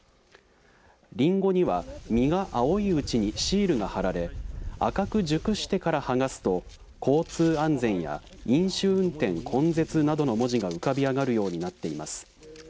りんごには、実が青いうちにシールが貼られ赤く熟してから剥がすと交通安全や飲酒運転根絶などの文字が浮かび上がるようになっています。